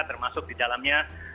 termasuk di dalamnya